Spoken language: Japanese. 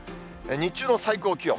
日中の最高気温。